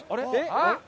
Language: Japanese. あっ！